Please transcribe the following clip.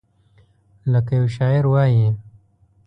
لکه یو شاعر وایي: